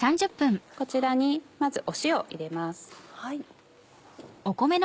こちらにまず塩を入れます。